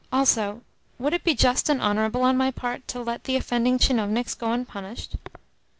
Also, would it be just and honourable on my part to let the offending tchinovniks go unpunished?"